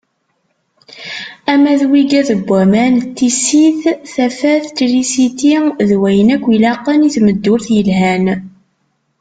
Ama d wigad n waman n tissit, tafat, trisiti, d wayen akk ilaqen i tmeddurt yelhan.